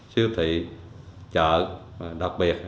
siêu thị chợ đặc biệt